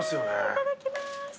いただきます。